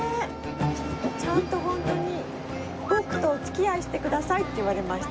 ちゃんとホントに「僕とお付き合いしてください」って言われました。